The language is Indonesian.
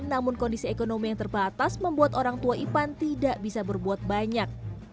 namun kondisi ekonomi yang terbatas membuat orang tua ipan tidak bisa berbuat banyak